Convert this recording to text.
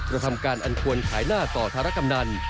ทำการอันควรขายหน้าต่อธารกำนัน